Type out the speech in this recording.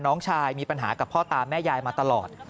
น้องชายมีปัญหากับพ่อตาแม่ยายมาตลอด